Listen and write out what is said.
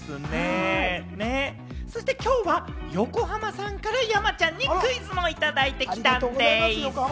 そして今日は横浜さんから山ちゃんにクイズもいただいてきたんでぃす。